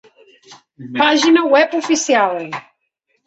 Pàgina web oficial.